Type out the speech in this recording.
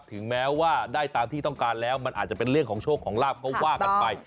ถึงแม้ว่าได้ตามที่ต้องการแล้วมันอาจจะเป็นเรื่องของโชคของลาบก็ว่ากันไป